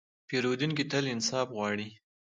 پیرودونکی تل انصاف غواړي.